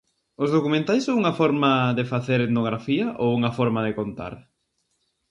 Os documentais son unha forma de facer etnografía ou unha forma de contar?